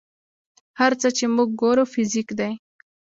هر څه چې موږ ګورو فزیک دی.